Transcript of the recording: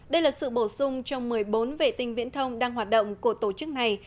đây là sự bổ sung trong một mươi bốn vệ tinh viễn thông đang hoạt động của tổ chức này